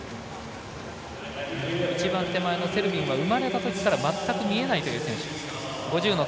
一番手前のセルビンは生まれたときから全く見えないという選手。